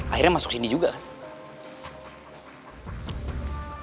akhirnya masuk sini juga kan